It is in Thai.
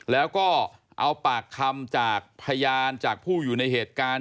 แล้วก็เอาปากคำจากพยานจากผู้อยู่ในเหตุการณ์